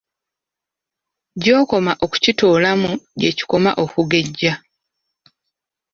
Gy'okoma okukitoolamu gye kikoma okugejja.